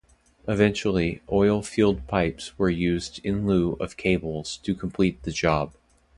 Eventually, oil field pipes were used in lieu of cables to complete the job.